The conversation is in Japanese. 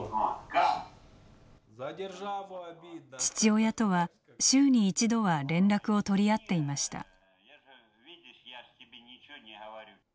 父親とは週に一度は連絡を取り合っていました。